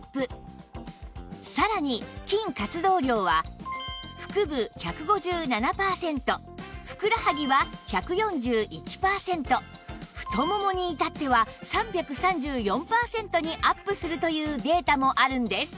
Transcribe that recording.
さらに筋活動量は腹部１５７パーセントふくらはぎは１４１パーセント太ももに至っては３３４パーセントにアップするというデータもあるんです